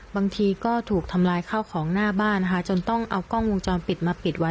บางทีก็ถูกทำลายข้าวของหน้าบ้านนะคะจนต้องเอากล้องวงจรปิดมาปิดไว้